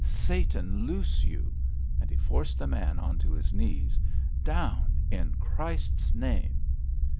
Satan loose you!' And he forced the man on to his knees. 'Down in Christ's name.'